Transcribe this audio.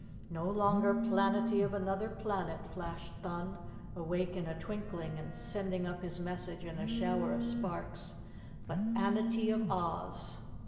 "No longer Planetty of Anuther Planet!" flashed Thun, awake in a twinkling and sending up his message in a shower of sparks. "But Anetty of Oz!"